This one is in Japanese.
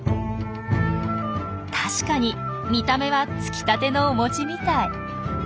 確かに見た目はつきたてのお餅みたい。